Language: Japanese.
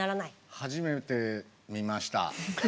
初めて見ました。